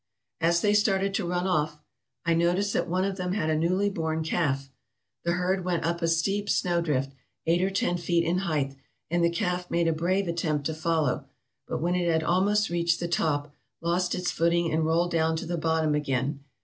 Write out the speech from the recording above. "As they started to run away I noticed that one of them had a newly born calf. The herd went up a steep snowdrift, eight or ten feet in height, and the calf made a brave attempt to follow, but when it had almost reached the top, lost its footing and rolled down to the bottom again.